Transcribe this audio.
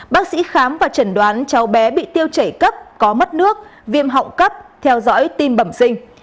bác sĩ khám và chẩn đoán cháu bé bị tiêu chảy cấp có mất nước viêm họng cấp theo dõi tim bẩm sinh